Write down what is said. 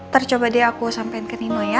ntar coba deh aku sampein ke nino ya